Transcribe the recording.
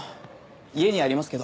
家にありますけど。